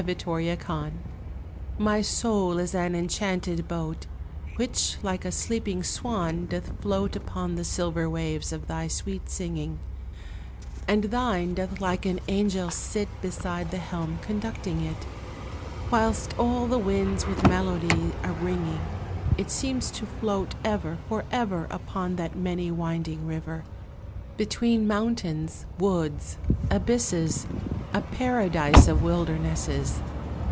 VARIOUS TO A SINGER My soul is an enchanted boat, Which, like a sleeping swan, doth float Upon the silver waves of thy sweet singing; And thine doth like an angel sit Beside the helm conducting it, Whilst all the winds with melody are ringing. It seems to float ever, for ever, Upon that many winding river, Between mountains, woods, abysses, A paradise of wildernesses!